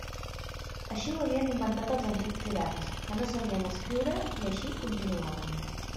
Així ho havien inventat els antics jurats, que no sabien escriure, i així continuava.